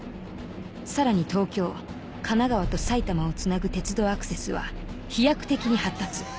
さらに東京神奈川と埼玉をつなぐ鉄道アクセスは飛躍的に発達。